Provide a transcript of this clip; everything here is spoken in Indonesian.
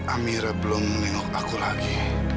amira belum menengok aku lagi